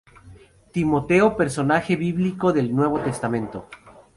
Timoteo personaje bíblico del Nuevo Testamento.